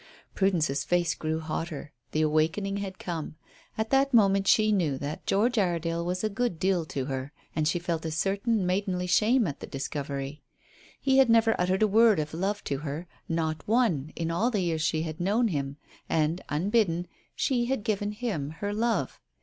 Prudence's face grew hotter. The awakening had come. At that moment she knew that George Iredale was a good deal to her, and she felt a certain maidenly shame at the discovery. He had never uttered a word of love to her not one, in all the years she had known him, and, unbidden, she had given him her love.